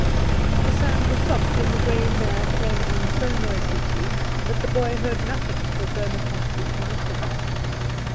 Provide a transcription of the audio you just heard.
The sand was soft, and the grey mare came on so noiselessly that the boy heard nothing till Bonaparte dismounted.